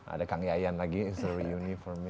ada kang yayan lagi it's a reunion for me